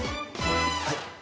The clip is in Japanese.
はい？